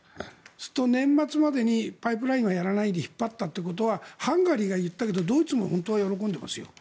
そうすると、年末までにパイプラインはやらないで引っ張ったということはハンガリーがやったけどドイツも本当は喜んでいますよ。